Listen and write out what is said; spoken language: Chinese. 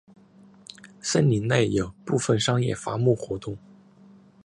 森林内有部分商业伐木活动。